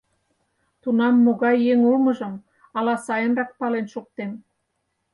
Тунам могай еҥ улмыжым ала сайынрак пален шуктем.